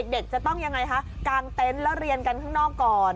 เด็กจะต้องยังไงคะกางเต็นต์แล้วเรียนกันข้างนอกก่อน